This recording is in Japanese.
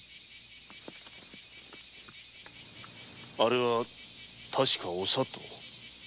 あれは確かお里。